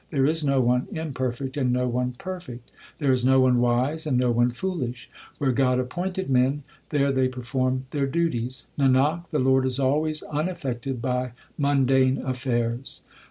There is no one imperfect and no one perfect ; There is no one wise and no one foolish. Where God appointed men there they perform their duties. Nanak, the Lord is always unaffected by mundane affairs.